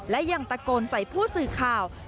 และยังตะโกนใส่ผู้สื่อขาวที่กำลังถ่ายภาพ